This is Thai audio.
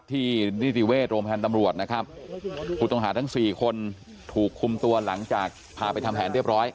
ที่นิติเวชโรงพยาบาลตำรวจนะครับผู้ต้องหาทั้งสี่คนถูกคุมตัวหลังจากพาไปทำแผนเรียบร้อย